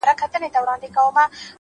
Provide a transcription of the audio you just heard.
انسان د خپل کردار استازی دی,